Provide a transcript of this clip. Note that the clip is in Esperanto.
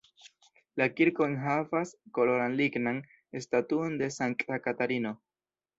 La kirko enhavas koloran lignan statuon de sankta Katarino.